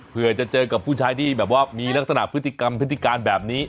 เพื่อจะเจอกับผู้ชายที่แบบว่ามีลักษณะพฤติกรรมพฤติการแบบนี้